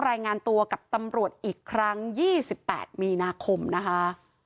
รายงานตัวกับตำรวจอีกครั้ง๒๘มีนาคมนะคะ